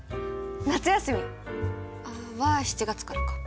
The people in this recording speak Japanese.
夏休み！は７月からか。